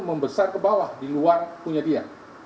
membesar ke bawah di luar punya dia